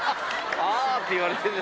あーって言われてるな。